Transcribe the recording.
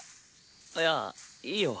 いやいいよ。